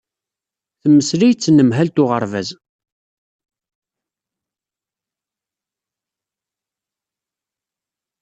Temmeslay d tnemhalt uɣerbaz.